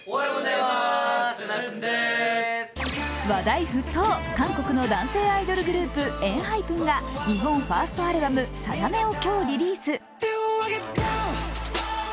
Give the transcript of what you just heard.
話題沸騰、韓国の男性アイドルグループ、ＥＮＨＹＰＥＮが日本ファーストアルバム「定め」を今日、リリース。